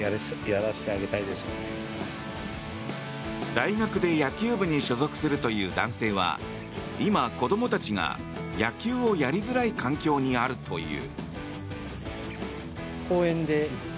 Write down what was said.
大学で野球部に所属するという男性は今、子どもたちが、野球をやりづらい環境にあるという。